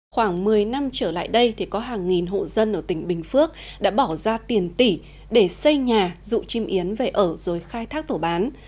khoảng một mươi năm trở lại đây có hàng nghìn hộ dân ở tỉnh bình phước đã bỏ ra tiền tỷ để xây nhà dụ chim yến về ở rồi khai thác tổ bán